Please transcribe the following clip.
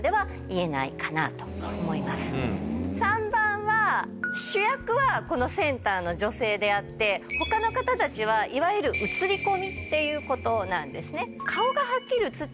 ３番は主役はこのセンターの女性であって他の方たちはいわゆる写り込みっていうことなんですね。